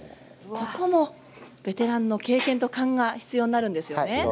ここも、ベテランの経験と勘が必要になるんですよね。